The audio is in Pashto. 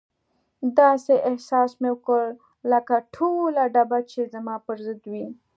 داسې احساس مې وکړ لکه ټوله ډبه چې زما پر ضد وي.